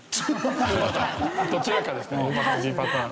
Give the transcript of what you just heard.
どちらかですね２パターン。